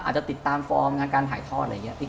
อาจจะติดตามฟอร์มงานการถ่ายทอดอะไรอย่างนี้